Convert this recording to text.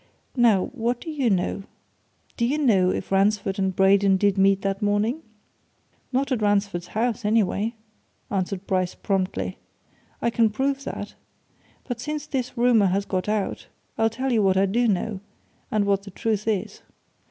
Now what do you know? Do you know if Ransford and Braden did meet that morning?" "Not at Ransford's house, anyway," answered Bryce promptly. "I can prove that. But since this rumour has got out, I'll tell you what I do know, and what the truth is.